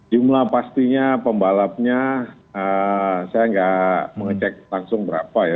jumlah pastinya pembalapnya saya nggak mengecek langsung berapa ya